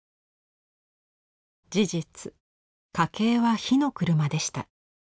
事実家計は火の車でした。